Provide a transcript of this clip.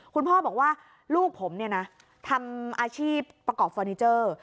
คุณพ่อบอกว่าลูกผมเนี่ยนะทำอาชีพประกอบเฟอร์นิเจอร์